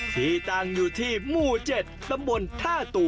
ที่ตั้งอยู่ที่มู่๗ตำบล๕ตัว